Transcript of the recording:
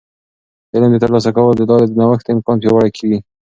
د علم د ترلاسه کولو د لارې د نوښت امکان پیاوړی کیږي.